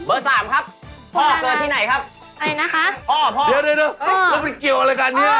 เออเบอร์สามครับ